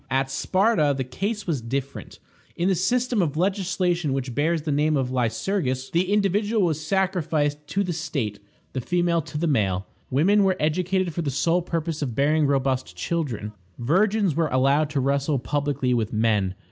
At Sparta the case was different. In the system of legislation which bears the name of Lycurgus, the individual was sacrificed to the state; the female to the male. Women were educated for the sole purpose of bearing robust children. Virgins were allowed to wrestle publicly with men.